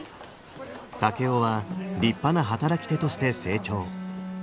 竹雄は立派な働き手として成長。